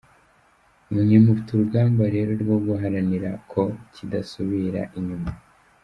Mwe mufite urugamba rero rwo guharanira ko kidasubira inyuma.